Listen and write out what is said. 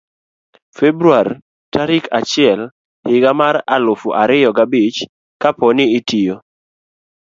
februar tarik achiel higa mar aluf ariyo ga bich. kapo ni itiyo